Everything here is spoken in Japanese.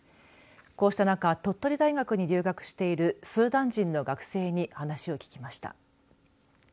こうした中、鳥取大学に留学しているスーダン人の学生に話を聞きました。